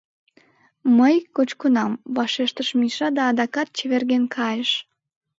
— Мый... кочкынам, — вашештыш Миша да адакат чеверген кайыш.